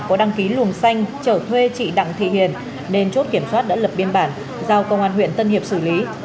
có đăng ký luồng xanh trở thuê chị đặng thị hiền nên chốt kiểm soát đã lập biên bản giao công an huyện tân hiệp xử lý